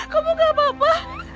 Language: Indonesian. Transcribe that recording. kamu gak apa apa